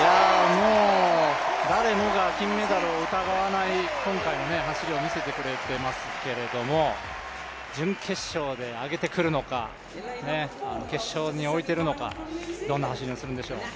もう誰もが金メダルを疑わない、今回の走りを見せてくれていますけど準決勝で上げてくるのか決勝においているのかどんな走りをするんでしょう。